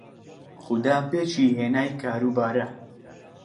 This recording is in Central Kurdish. خودا پێکی هێنای کار و بارە